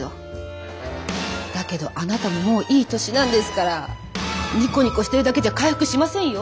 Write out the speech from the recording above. だけどあなたももういい年なんですからニコニコしてるだけじゃ回復しませんよ。